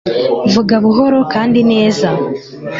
vuga buhoro kandi neza